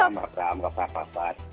selamat malam pak bram